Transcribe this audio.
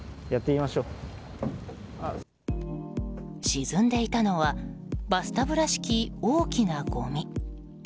沈んでいたのはバスタブらしき大きなごみ。